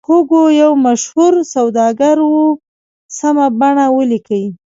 هوګو یو مشهور سوداګر و سمه بڼه ولیکئ.